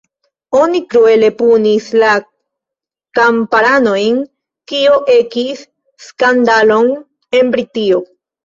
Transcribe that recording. Oni kruele punis la kamparanojn, kio ekis skandalon en Britio.